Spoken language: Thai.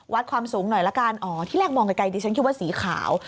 ความสูงหน่อยละกันอ๋อที่แรกมองไกลดิฉันคิดว่าสีขาว